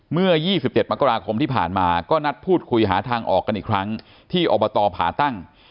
เมื่อ๒๗มกราคมที่ผ่านมาก็นัดพูดคุยหาทางออกกันอีกครั้งที่อบตผาตั้ง